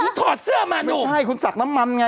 คุณถอดเสื้อมานี่ใช่คุณสักน้ำมันไง